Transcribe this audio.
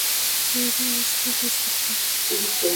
ওটাই আমার সাথে তাঁর শেষ কথা।